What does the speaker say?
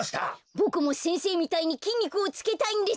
ボクも先生みたいにきんにくをつけたいんです。